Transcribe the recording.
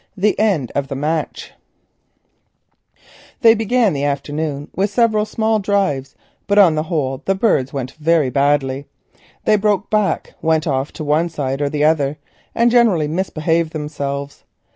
THE END OF THE MATCH They began the afternoon with several small drives, but on the whole the birds did very badly. They broke back, went off to one side or the other, and generally misbehaved themselves.